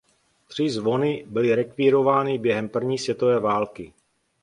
Tři zvony byly rekvírovány během první světové války.